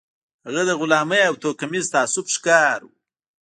هغه د غلامۍ او توکميز تعصب ښکار و